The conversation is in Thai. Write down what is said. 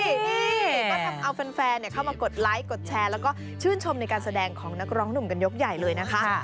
นี่ก็ทำเอาแฟนเข้ามากดไลค์กดแชร์แล้วก็ชื่นชมในการแสดงของนักร้องหนุ่มกันยกใหญ่เลยนะคะ